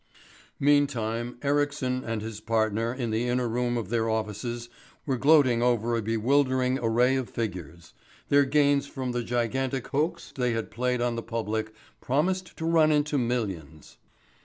Meantime, Ericsson and his partner in the inner room of their offices were gloating over a bewildering array of figures; their gains from the gigantic hoax they had played on the public promised to run into millions.